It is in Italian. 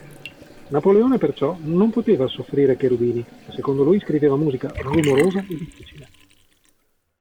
Napoleone perciò non poteva soffrire Cherubini, che secondo lui scriveva musica rumorosa e difficile.